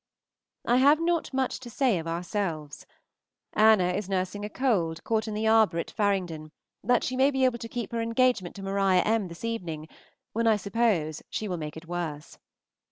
I have not much to say of ourselves. Anna is nursing a cold caught in the arbor at Faringdon, that she may be able to keep her engagement to Maria M. this evening, when I suppose she will make it worse.